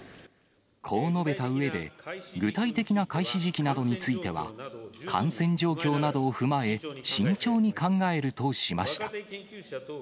こう述べたうえで、具体的な開始時期などについては、感染状況などを踏まえ、慎重に考えるとしました。